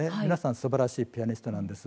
すばらしいピアニストなんです。